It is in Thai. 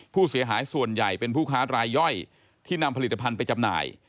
ผู้เสียหายส่วนใหญ่เป็นผู้ค้ารายย่อยที่นำผลิตภัณฑ์ไปจำหน่าย